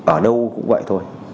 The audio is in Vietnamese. ở đâu cũng vậy thôi